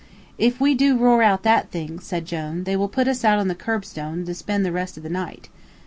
"If we do roar out that thing," said Jone, "they will put us out on the curbstone to spend the rest of the night."